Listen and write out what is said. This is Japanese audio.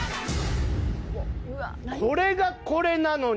「これが、これなのに！